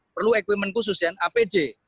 perlu equipment khusus dan apd